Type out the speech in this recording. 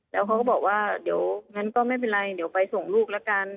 แล้วเขาก็บอกว่าเดี๋ยวงั้นก็ไม่เป็นไรเดี๋ยวไปส่งลูกละกัน